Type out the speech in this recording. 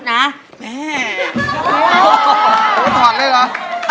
หอถอดด้วยเหรอ